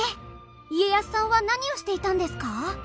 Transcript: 家康さんは何をしていたんですか？